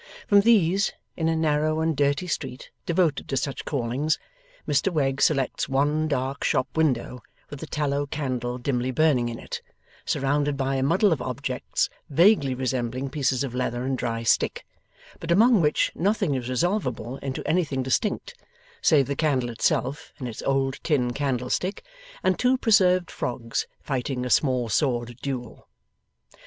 From these, in a narrow and a dirty street devoted to such callings, Mr Wegg selects one dark shop window with a tallow candle dimly burning in it, surrounded by a muddle of objects vaguely resembling pieces of leather and dry stick, but among which nothing is resolvable into anything distinct, save the candle itself in its old tin candlestick, and two preserved frogs fighting a small sword duel.